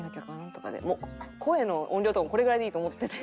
声の音量とかこれぐらいでいいと思ってて。